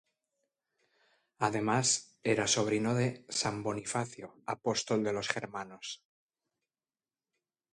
Además era sobrino de san Bonifacio, apóstol de los germanos.